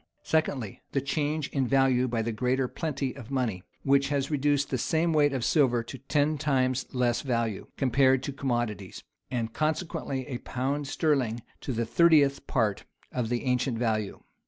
Secondly, the change in value by the greater plenty of money, which has reduced the same weight of silver to ten times less value, compared to commodities; and consequently a pound sterling to the thirtieth part of the ancient value.